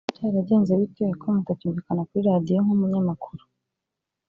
Byaba byaragenze bite ko mutacyumvikana kuri Radiyo nk’umunyamakuru